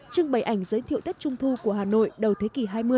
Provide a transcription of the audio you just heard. trưng bày ảnh giới thiệu tết trung thu của hà nội đầu thế kỷ hai mươi